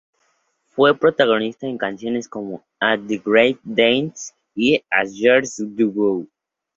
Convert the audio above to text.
Fue protagonista en canciones como "At the Great Distance" y "As Years Go By".